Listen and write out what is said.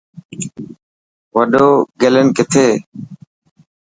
وڏو گيلين ڪٿي.